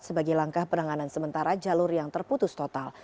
sebagai langkah penanganan sementara jalur yang terputus total